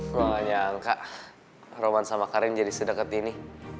gue gak nyangka roman sama karin jadi sedeket ini